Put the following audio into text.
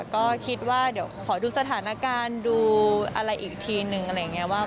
ก็คิดว่าเดี๋ยวขอดูสถานการณ์ดูอะไรอีกทีนึงอะไรอย่างนี้ว่า